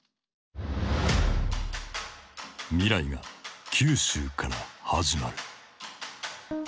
「未来が九州から始まる」。